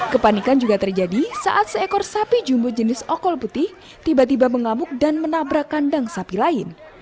kepanikan juga terjadi saat seekor sapi jumbo jenis okol putih tiba tiba mengamuk dan menabrak kandang sapi lain